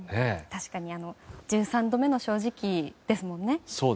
確かに１３度目の正直ですものね。